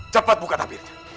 cepat buka tabirnya